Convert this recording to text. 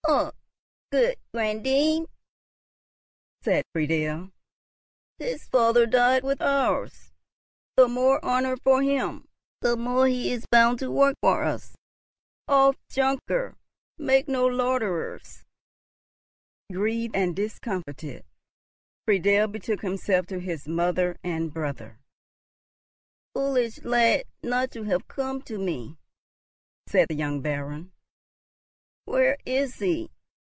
"Ah! good grandame," said Friedel, "his father died with ours." "The more honour for him! The more he is bound to work for us. Off, junker, make no loiterers." Grieved and discomfited, Friedel betook himself to his mother and brother. "Foolish lad not to have come to me!" said the young Baron. "Where is he?